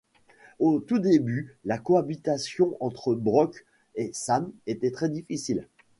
Au tout début, la cohabitation entre Brooke et Sam était très difficile.